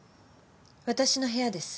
私の部屋です。